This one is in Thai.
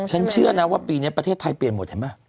เชื่อนะว่าปีนี้ประเทศไทยเปลี่ยนหมดเห็นไหม